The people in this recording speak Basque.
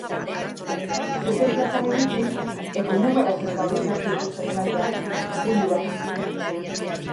Zezen plazara iritsi eta inongo arazorik gabe sartu dituzte animaliak ukuiluan.